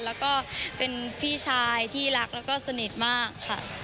แล้วก็เป็นพี่ชายที่รักแล้วก็สนิทมากค่ะ